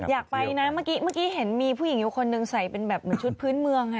อยากไปนะเมื่อกี้ได้เห็นว่ามีผู้หญิงอยู่คนหนึ่งใส่เป็นแบบหนูชุดพื้นเมืองค่ะ